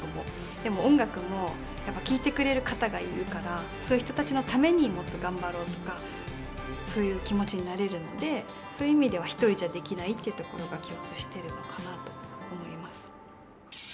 でも音楽もやっぱ聴いてくれる方がいるからそういう人たちのためにもっと頑張ろうとかそういう気持ちになれるのでそういう意味では一人じゃできないってところが共通してるのかなと思います。